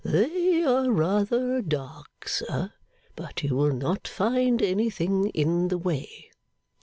'They are rather dark, sir, but you will not find anything in the way.